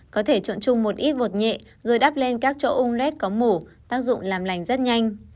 có thể trộn chung một ít vột nhệ rồi đắp lên các chỗ ung lết có mủ tác dụng làm lành rất nhanh